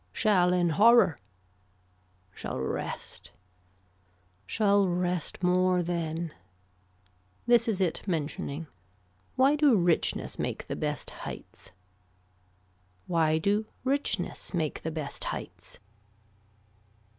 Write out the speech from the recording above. Shall in horror. Shall rest. Shall rest more then. This is it mentioning. Why do richness make the best heights. Why do richness make the best heights.